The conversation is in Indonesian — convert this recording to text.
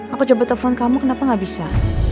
aku coba telepon kamu kenapa gak bisa